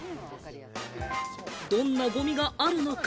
どんなごみがあるのか？